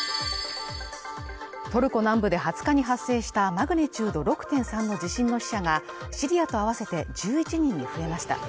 トルコ南部で２０日に発生したマグニチュード６．３の地震の死者がシリアと合わせて１１人に増えました。